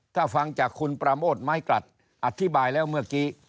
ถ้าฟังจากคุณปราโมทไม้กลัดอธิบายแล้วเมื่อกี้